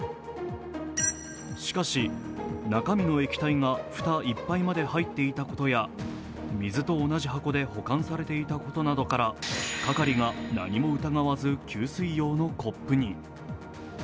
しかし中身の液体が蓋いっぱいまで入っていたことや、水と同じ箱で保管されていたことなどから、係が何も疑わず給水用のコップに。